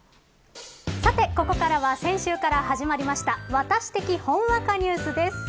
さてここからは、先週から始まりましたワタシ的ほんわかニュースです。